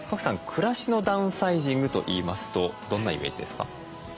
暮らしのダウンサイジングといいますとどんなイメージですか？